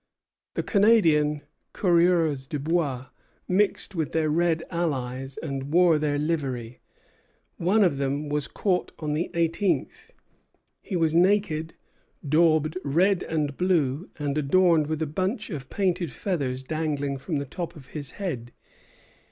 The Canadian coureurs de bois mixed with their red allies and wore their livery. One of them was caught on the eighteenth. He was naked, daubed red and blue, and adorned with a bunch of painted feathers dangling from the top of his head.